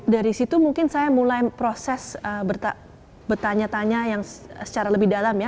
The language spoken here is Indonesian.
dari situ mungkin saya mulai proses bertanya tanya yang secara lebih dalam ya